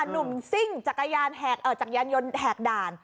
หนุ่มซิ่งจักรยานยนต์แหกด่าน